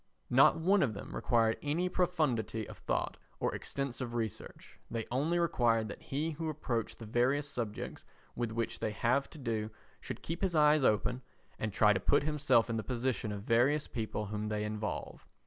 Not one of them required any profundity of thought or extensive research; they only required that he who approached the various subjects with which they have to do should keep his eyes open and try to put himself in the position of the various people whom they involve.